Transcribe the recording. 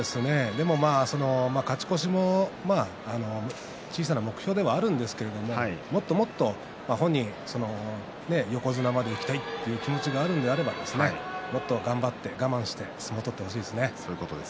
でも勝ち越しも小さな目標ではあるんですけれどもっともっと本人横綱までいきたいって気持ちがあるのであればもっと頑張って我慢して相撲を取ってほしいですね。